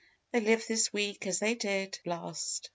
They live this week as they did last.